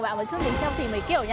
bạn nam cho mình xin facebook nhé